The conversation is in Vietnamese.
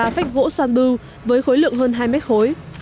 một mươi ba phách gỗ xoan bưu với khối lượng hơn hai mét khối